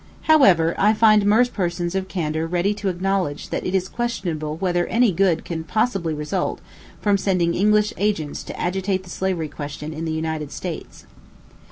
However, I find most persons of candor ready to acknowledge that it is questionable whether any good can possibly result from sending English agents to agitate the slavery question in the United States.